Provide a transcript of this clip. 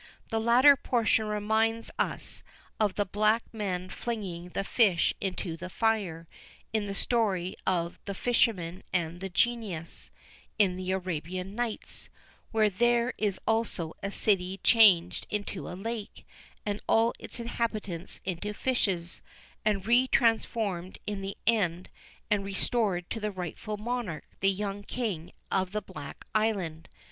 The latter portion reminds us of the black man flinging the fish into the fire, in the story of "The Fisherman and the Genius," in the Arabian Nights, where there is also a city changed into a lake, and all its inhabitants into fishes, and re transformed in the end and restored to the rightful monarch, the young King of the Black Island.